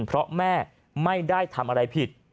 เพราะแม่ไม่ได้ทำอะไรผิด